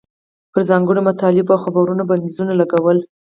پر ځانګړو مطالبو او خبرونو بندیز لګوي.